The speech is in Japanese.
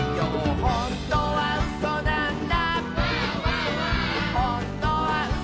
「ほんとにうそなんだ」